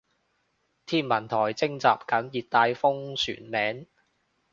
天文台徵集緊熱帶風旋名